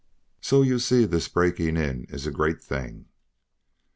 So you see this breaking in is a great thing.